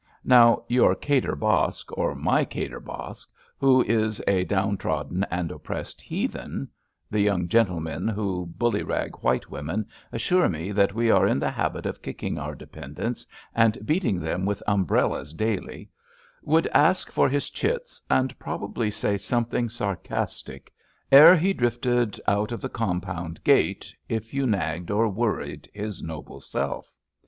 Now, your Kadir Baksh or my Kadir Baksh, who is a down trodden and oppressed heathen (the young gentle men who bullyrag white women assure me that we are in the habit of kicking our dependents and beating them with umbrellas daily), would ask for his chits, and probably say something sarcastic ere he drifted out of the compound gate, if you nagged or worried his noble self.